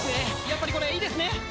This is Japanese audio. やっぱりこれいいですね！